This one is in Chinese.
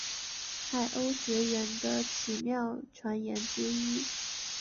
海鸥学园的奇妙传言之一。